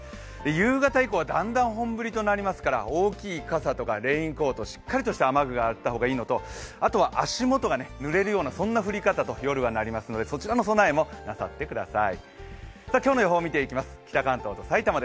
夕方以降はだんだん本降りとなりますから大きい傘とかレインコート、しっかりとした雨具があった方がいいのと、足元がぬれるような降り方と夜はなりますのでそちらの備えもなさってください。